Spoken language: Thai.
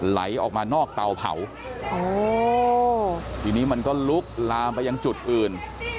ไหลออกมานอกเตาเผาทีนี้มันก็ลุกลามไปยังจุดอื่น